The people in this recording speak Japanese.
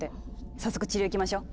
早速治療行きましょう！